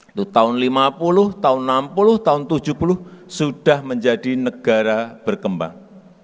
itu tahun lima puluh tahun enam puluh tahun tujuh puluh sudah menjadi negara berkembang